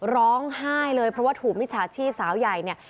ร้องไห้เลยเพราะว่าถูกมิจฉาชีพสาวใหญ่เนี่ย